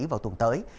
vào tuần tới